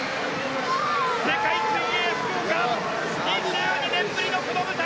世界水泳福岡２２年ぶりのこの舞台